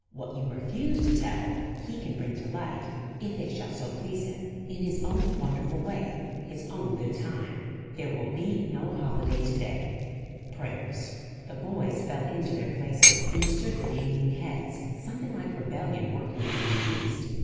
What you refuse to tell, He can bring to light, if it shall so please Him, in His own wonderful way, His own good time. There will be no holiday to day. Prayers." The boys fell into their places, and stood with hanging heads, something like rebellion working in every breast.